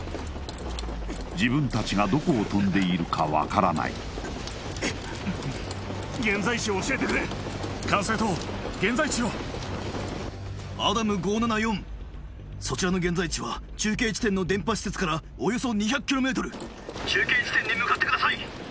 自分達がどこを飛んでいるか分からない現在地を教えてくれ管制塔現在地をアダム５７４そちらの現在地は中継時点の電波施設からおよそ２００ｋｍ中継地点に向かってください